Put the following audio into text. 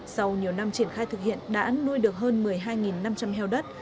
sau nhiều năm triển khai thực hiện đã nuôi được hơn một mươi hai năm trăm linh heo đất